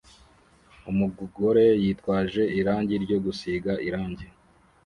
Umugore yitwaje irangi ryo gusiga irangi